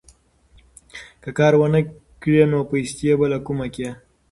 که کار ونه کړې، نو پیسې به له کومه کړې؟